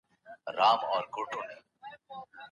سود خوړل لویه ګناه ده.